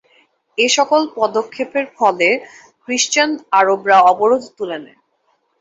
এসকল পদক্ষেপের ফলে খ্রিষ্টান আরবরা অবরোধ তুলে নেয়।